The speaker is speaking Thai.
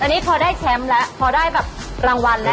ตอนนี้พอได้แชมป์แล้วพอได้แบบรางวัลแล้ว